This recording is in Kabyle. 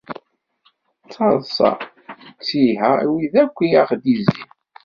D taḍsa, d ttiha i wid akk i aɣ-d-izzin.